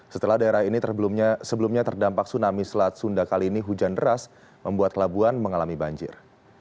setelah daerah ini sebelumnya terdampak tsunami selat sunda kali ini hujan deras membuat labuan mengalami banjir